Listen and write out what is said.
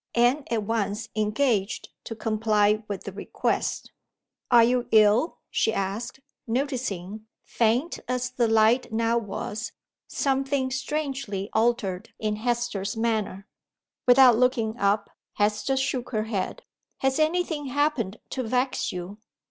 Anne at once engaged to comply with the request. "Are you ill?" she asked; noticing, faint as the light now was, something strangely altered in Hester's manner. Without looking up, Hester shook her head. "Has any thing happened to vex you?"